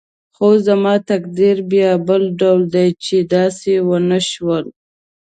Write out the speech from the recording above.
خو زما تقدیر بیا بل ډول دی چې داسې ونه شول.